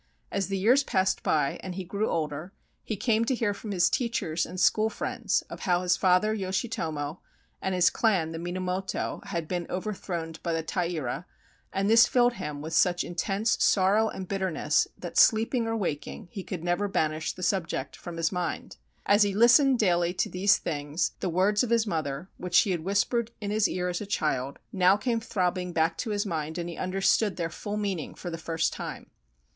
As the years passed by and he grew older, he came to hear from his teachers and school friends of how his father Yoshitomo and his clan the Minamoto had been over thrown by the Taira, and this filled him with such in tense sorrow and bitterness that sleeping or waking he could never banish the subject from his mind. As he lis tened daily to these things the words of his mother, which she had whispered in his ear as a child, now came 305 JAPAN throbbing back to his mind, and he understood their full meaning for the first time.